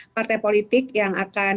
jadi kita masih